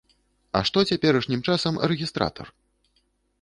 А што цяперашнім часам рэгістратар?